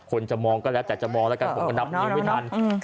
คนจะมองก็ละแต่จะมองละกันผมก็นับไปทารย์